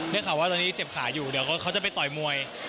ได้ข่าวว่าตอนนี้เจ็บขาอยู่เดี๋ยวเขาจะไปต่อยมวย